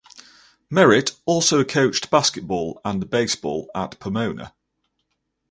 Merritt also coached basketball and baseball at Pomona.